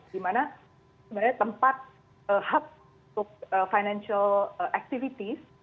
di mana sebenarnya tempat hub untuk financial activities